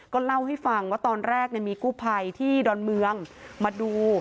เล่าให้ฟังว่าตอนแรกมีกู้ภัยที่ดอนเมืองมาดู